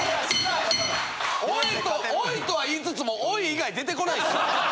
おい！とは言いつつもおい以外出てこないっすわ。